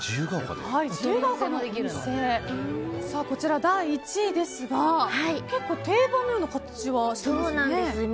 こちら第１位ですが結構定番のような形はしてますね。